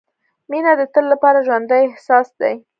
• مینه د تل لپاره ژوندی احساس دی.